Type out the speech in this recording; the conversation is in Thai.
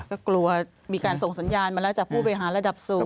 ก็กลัวมีการส่งสัญญาณมาแล้วจากผู้บริหารระดับสูง